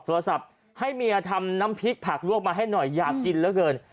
ให้เมียทำน้ำพริกผักลวกมาให้หน่อยอยากกินเหลือเกิน